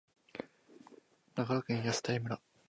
長野県泰阜村